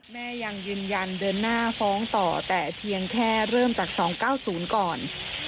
แม่ยังยืนยันเดินหน้าฟ้องต่อแต่เพียงแค่เริ่มจาก๒๙๐ก่อน